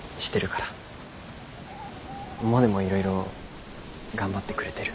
モネもいろいろ頑張ってくれてる。